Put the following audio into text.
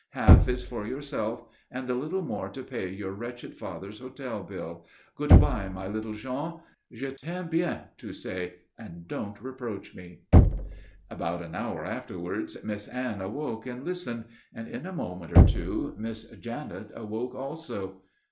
Half is for yourself and the little more to pay your wretched father's hotel bill. Good bye, my little Jean. Je t'aime bien, tu sais and don't reproach me." About an hour afterwards Miss Anne awoke and listened, and in a moment or two Miss Janet awoke also.